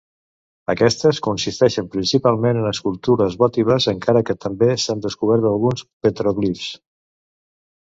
Aquestes consisteixen principalment en escultures votives, encara que també s'han descobert alguns petròglifs.